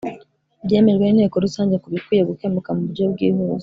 byemejwe n Inteko Rusange ku bikwiye gukemuka mu buryo bwihuse